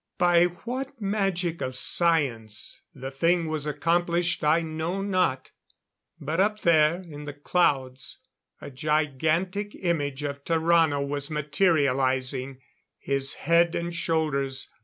By what magic of science the thing was accomplished, I know not; but up there in the clouds a gigantic image of Tarrano was materializing! His head and shoulders.